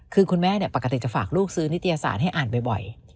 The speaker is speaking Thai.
คือคุณแม่ปกติจะฝากลูกซื้อนิตยสารให้อ่านบ่อย